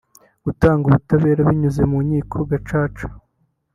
gutanga ubutabera binyuze mu nkiko Gacaca